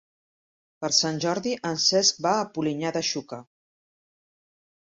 Per Sant Jordi en Cesc va a Polinyà de Xúquer.